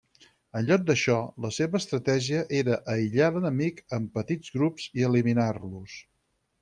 En lloc d'això, la seva estratègia era aïllar l'enemic en petits grups i eliminar-los.